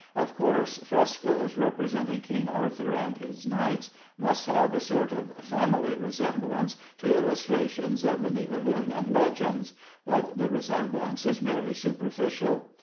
Of course, frescoes representing King Arthur and his knights must have a sort of family resemblance to illustrations of the Niebelungen legends, but the resemblance is merely superficial.